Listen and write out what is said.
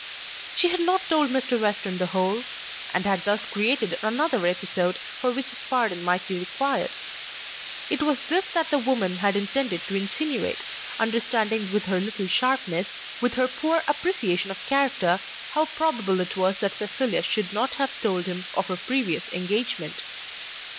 She had not told Mr. Western the whole, and had thus created another episode for which his pardon might be required. It was this that the woman had intended to insinuate, understanding with her little sharpness, with her poor appreciation of character, how probable it was that Cecilia should not have told him of her previous engagement.